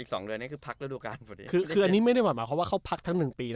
อีกสองเรือนี้คือพักแล้วดูการคือคืออันนี้ไม่ได้หมายมาว่าเขาพักทั้งหนึ่งปีน่ะ